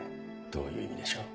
どういう意味でしょう？